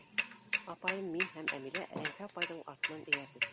Апайым, мин һәм Әмилә Рәйфә апайҙың артынан эйәрҙек.